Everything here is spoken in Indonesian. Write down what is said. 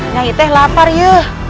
nyai teh lapar yuh